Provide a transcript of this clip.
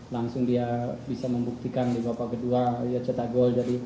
langsung dia bisa membuktikan di babak kedua dia cetak gol